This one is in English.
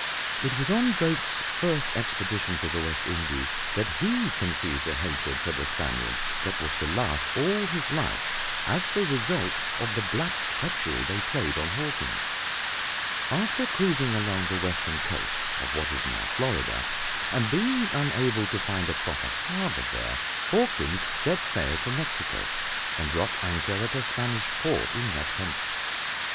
It was on Drake's first expedition to the West Indies that he conceived a hatred for the Spaniards that was to last all his life as the result of the black treachery they played on Hawkins. After cruising along the western coast of what is now Florida, and being unable to find a proper harbor there, Hawkins set sail for Mexico and dropped anchor at a Spanish port in that country.